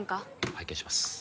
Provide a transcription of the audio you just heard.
拝見します